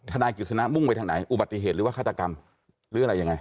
ธนาคฤษณะวุ่งไปทางไหนอุบัติเหตุหรือว่าฆาตกรรมหรืออะไรอย่างไร